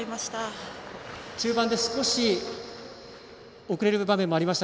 中盤で少し遅れる場面がありました。